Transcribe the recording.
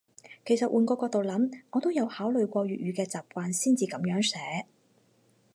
其實換個角度諗，我都有考慮過粵語嘅習慣先至噉樣寫